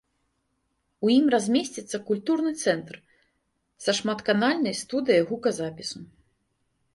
У ім размесціцца культурны цэнтр са шматканальнай студыяй гуказапісу.